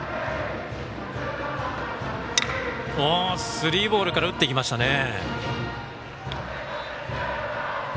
スリーボールから打ってきましたね。